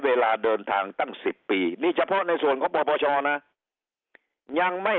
เวลาเดินทางตั้ง๑๐ปีนี่เฉพาะในส่วนของปปชนะยังไม่